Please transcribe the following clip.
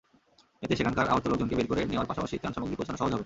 এতে সেখানকার আহত লোকজনকে বের করে নেওয়ার পাশাপাশি ত্রাণসামগ্রী পৌঁছানো সহজ হবে।